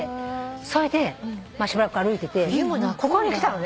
それでしばらく歩いててここに来たのね。